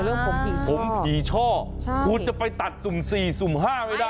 เรื่องผมผีช่อผมผีช่อใช่คุณจะไปตัดสุ่มสี่สุ่มห้าไม่ได้นะ